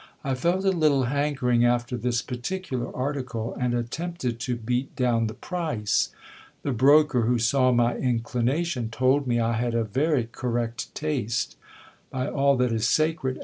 I felt a little hankering after this particular article, and attempted to beat down the price. The broker, who saw my inclination, told me I had a very correct taste. By all that is sacred !